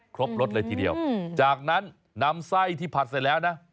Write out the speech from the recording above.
ครบรสเลยทีเดียวจากนั้นนำไส้ที่ผัดเสร็จแล้วนะ